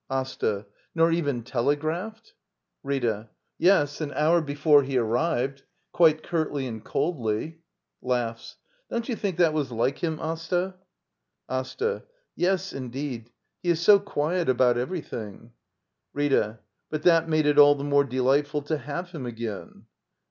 ""^ AsTA. Nor even telegraphed? Rita. Yes, an hour before he arrived — quite curtly and coldly. Don't you think that was like him, Asta? AsTA. Yes, indeed; he is so quiet about every thing. Rtta. But that made it all the more delightful to have him again.